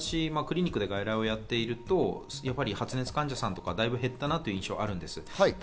私、クリニックで外来をやっていると発熱患者さんとかは、だいぶ減ったなという印象があるんです。